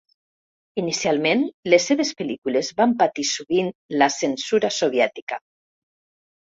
Inicialment, les seves pel·lícules van patir sovint la censura soviètica.